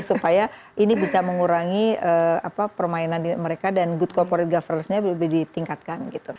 supaya ini bisa mengurangi permainan mereka dan good corporate governance nya lebih ditingkatkan